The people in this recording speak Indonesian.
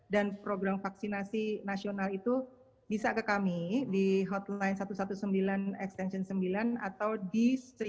dan program vaksinasi nasional itu bisa ke kami di hotline satu ratus sembilan belas extension sembilan atau di lima belas ribu lima ratus enam puluh tujuh